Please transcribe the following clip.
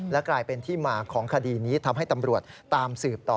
และกลายเป็นที่มาของคดีนี้ทำให้ตำรวจตามสืบต่อ